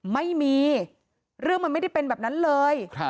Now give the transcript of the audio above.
ไม่มีเรื่องมันไม่ได้เป็นแบบนั้นเลย